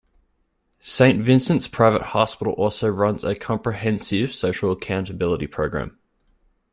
Saint Vincent's Private Hospital also runs a comprehensive social accountability program.